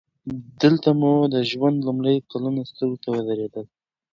دلته د ژوند لومړي کلونه سترګو ته ودرېدل